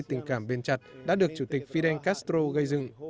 những tình cảm biên chặt đã được chủ tịch fidel castro gây dựng